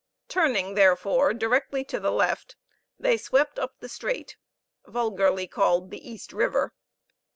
Turning, therefore, directly to the left, they swept up the strait, vulgarly called the East River.